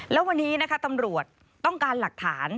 แล้ววันนี้นะคะตำรวจต้องการหลักฐาน